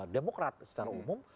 demokrat secara umum